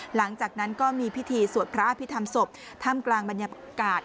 หลังจากนั้นก็มีพิธีสวดพระอภิษฐรรมศพท่ามกลางบรรยากาศ